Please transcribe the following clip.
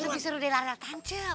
lebih seru dari lari lari tancap